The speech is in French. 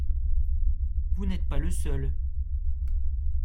Vous n’êtes pas le seul.